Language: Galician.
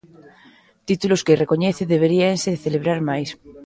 Títulos que, recoñece, deberíanse celebrar máis.